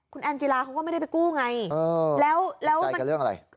คุณแอนจีลาเขาก็ไม่ได้ไปกู้ไงแล้วแล้วแล้วข้อใจกับเรื่องอะไร